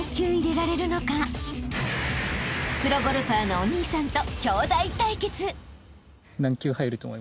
［プロゴルファーのお兄さんと］